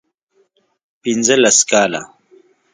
پنځه لس کاله